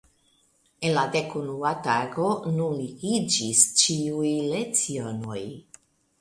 En la dekunua tago nuligiĝis ĉiuj lecionoj.